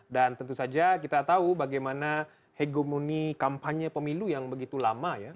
dan tentu saja kita tahu bagaimana hegemoni kampanye pemilu yang begitu lama ya